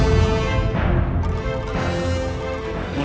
aku akan mencari bunda kuabias